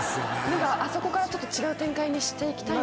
何かあそこからちょっと違う展開にしていきたいんですよね？